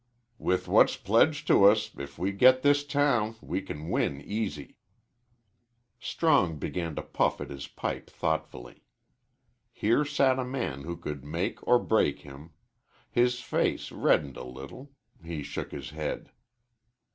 "With what's pledged to us, if we get this town we can win easy." Strong began to puff at his pipe thoughtfully. Here sat a man who could make or break him. His face reddened a little. He shook his head.